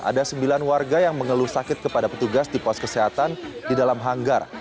ada sembilan warga yang mengeluh sakit kepada petugas di pos kesehatan di dalam hanggar